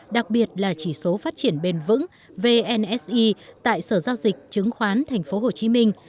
đặc biệt là chỉ số phát triển bền vững vnsi tại sở giao dịch chứng khoán tp hcm